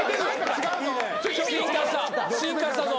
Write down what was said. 進化したぞ。